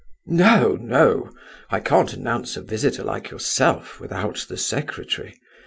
"No, no! I can't announce a visitor like yourself without the secretary.